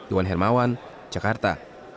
iwan hermawan jakarta